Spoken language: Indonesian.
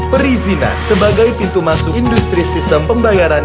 perizinan sebagai pintu masuk industri sistem pembayaran